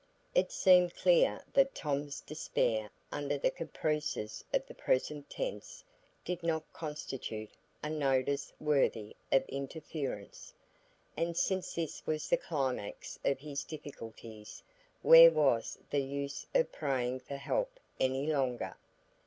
It seemed clear that Tom's despair under the caprices of the present tense did not constitute a nodus worthy of interference, and since this was the climax of his difficulties, where was the use of praying for help any longer?